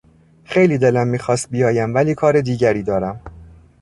خیلی دلم میخواست بیایم ولی کار دیگری دارم.